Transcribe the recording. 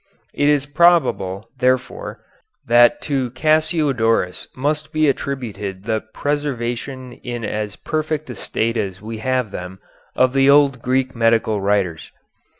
It is probable, therefore, that to Cassiodorus must be attributed the preservation in as perfect a state as we have them of the old Greek medical writers.